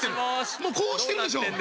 もうこうしてるでしょ！